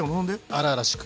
荒々しく！